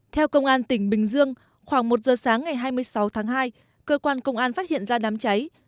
theo công an tỉnh bình dương khoảng một giờ sáng ngày hai mươi sáu tháng hai cơ quan công an phát hiện ra đám cháy